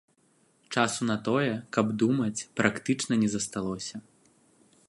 Часу на тое, каб думаць, практычна не засталося.